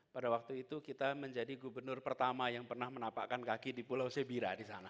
pada waktu itu kita menjadi gubernur pertama yang pernah menapakkan kaki di pulau sebira di sana